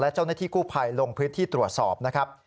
เจ้าหน้าที่กู้ภัยลงพื้นที่ตรวจสอบนะครับ